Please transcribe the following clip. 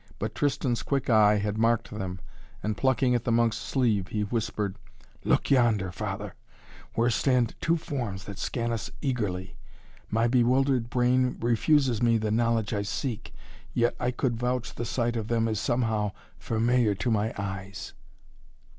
But Tristan's quick eye had marked them and, plucking at the monk's sleeve, he whispered: "Look yonder, Father where stand two forms that scan us eagerly. My bewildered brain refuses me the knowledge I seek, yet I could vouch the sight of them is somehow familiar to my eyes."